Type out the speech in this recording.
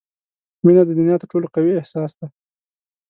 • مینه د دنیا تر ټولو قوي احساس دی.